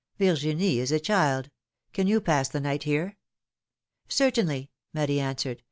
Virginie is a child — can you pass the night here?^^ Certainly,'^ Marie answered.